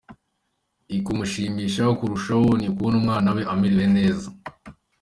Ikimushimisha kurushaho, ni ukubona umwana we amerewe neza.